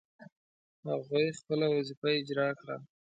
هغوی خپله وظیفه اجرا کړه.